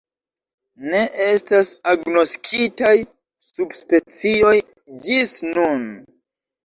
Ne estas agnoskitaj subspecioj ĝis nun.